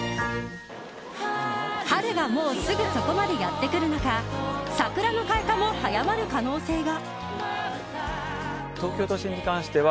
春が、もうすぐそこまでやってくる中桜の開花も早まる可能性が。